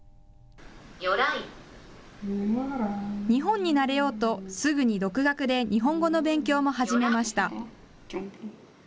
日本に慣れようとすぐに独学で日本語の勉強も始めました。